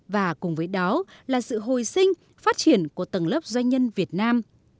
và cùng với đó là sự hồi sinh phát triển của tầng lớp doanh nhân việt nam